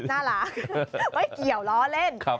น่ารักไม่เกี่ยวล้อเล่น